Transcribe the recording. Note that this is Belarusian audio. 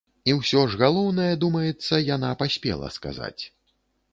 І ўсё ж галоўнае, думаецца, яна паспела сказаць.